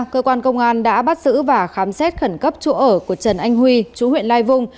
cơ quan công an đã bắt giữ và khám xét khẩn cấp chỗ ở của trần anh huy chú huyện lai vung